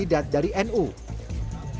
menurut politikus yang langsung berlatar belakang